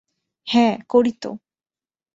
হ্যাঁ, করি তো।